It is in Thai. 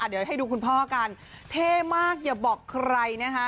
เดี๋ยวให้ดูคุณพ่อกันเท่มากอย่าบอกใครนะคะ